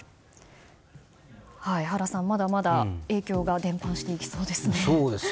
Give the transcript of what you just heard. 原さん、まだまだ影響が伝播していきそうですね。